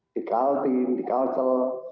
di kaltim di kalsel